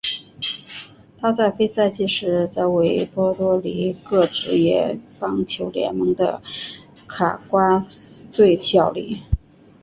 他在非赛季时则为波多黎各职业棒球联盟的卡瓜斯队效力。